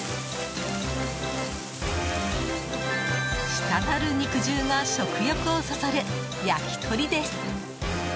したたる肉汁が食欲をそそる焼き鳥です。